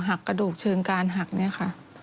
กระดูกเชิงการหักเนี่ยค่ะ